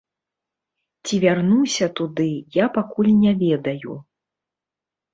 Ці вярнуся туды, я пакуль не ведаю.